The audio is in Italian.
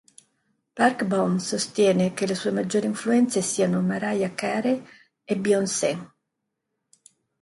Park Bom sostiene che le sue maggiori influenze siano Mariah Carey e Beyoncé.